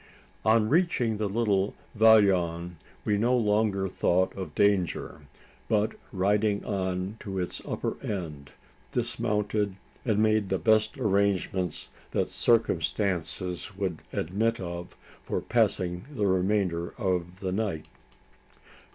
On reaching the little vallon, we no longer thought of danger; but, riding on to its upper end, dismounted, and made the best arrangements that circumstances would admit of for passing the remainder of the night.